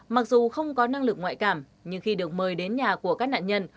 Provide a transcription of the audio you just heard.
mặc dù không có năng lực ngoại cảm nhưng khi được mời đến nhà của các nạn nhân